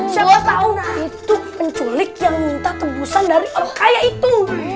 siapa tahu nah itu penculik yang minta tebusan dari orang kaya itu